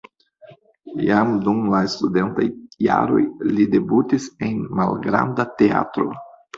Jam dum la studentaj jaroj li debutis en malgranda teatro.